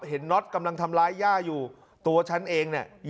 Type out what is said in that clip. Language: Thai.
น็อตกำลังทำร้ายย่าอยู่ตัวฉันเองเนี่ย